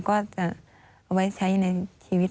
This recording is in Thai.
ก็จะเอาไว้ใช้ในชีวิต